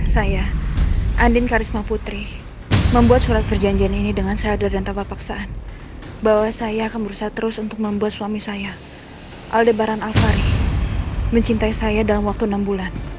kalo kamu sudah membuat bohongan yang besar penjara sudah menunggu kamu